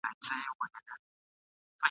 که نجوني زدهکړي وکړي، ټولنه به پرمختګ وکړي.